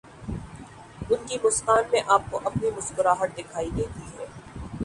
ان کی مسکان میں آپ کو اپنی مسکراہٹ دکھائی دیتی ہے۔